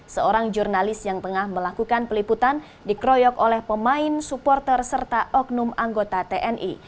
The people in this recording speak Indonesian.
seorang jurnalis yang tengah melakukan peliputan dikeroyok oleh pemain supporter serta oknum anggota tni